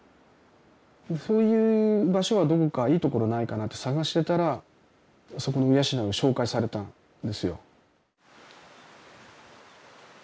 そういう場所はどこかいい所ないかなって探してたらそこの鵜養を紹介されたんですよ。